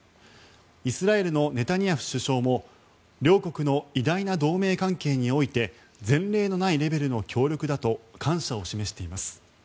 イスラエルのネタニヤフ首相も両国の偉大な同盟関係において前例のないレベルの協力だと感謝を示しています。